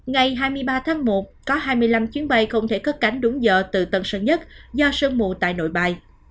ngày hai mươi ba tháng một có hai mươi năm chuyến bay không thể cất cánh đúng giờ từ tân sơn nhất do sơn mù tại nội bài